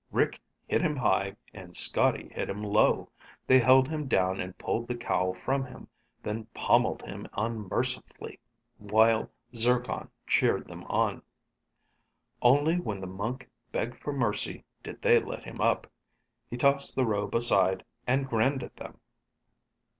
Rick hit him high and Scotty hit him low. They held him down and pulled the cowl from him, then pommeled him unmercifully, while Zircon cheered them on. Only when the monk begged for mercy did they let him up. He tossed the robe aside and grinned at them.